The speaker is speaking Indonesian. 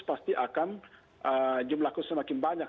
pasti akan jumlah kurs semakin banyak